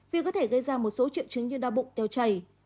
vì có thể gây ra một số triệu chứng như đau bụng tiêu chảy